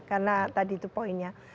karena tadi itu poinnya